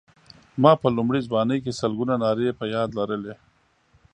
ما په لومړۍ ځوانۍ کې سلګونه نارې په یاد لرلې.